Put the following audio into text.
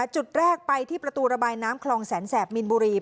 จุดแรกไปที่ประตูระบายน้ำคลองแสนแสบมินบุรี